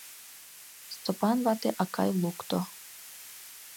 Стопан вате акай лукто.